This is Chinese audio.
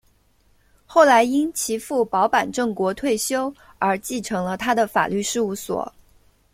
后来因其父保坂正国退休而承继了他的法律事务所。